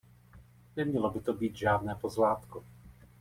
Nemělo by to být žádné pozlátko.